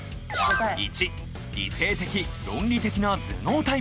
１理性的論理的な頭脳タイプ。